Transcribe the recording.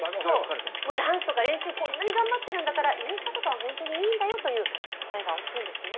ダンスとか練習こんなに頑張ってるんだからインスタとかはいいんだよという声が大きいんですね。